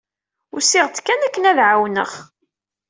Usiɣ-d kan akken ad ɛawneɣ.